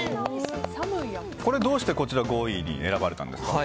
これ、どうしてこちらを５位に選ばれたんですか？